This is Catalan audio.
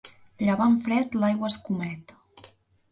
Llevant fred l'aigua escomet.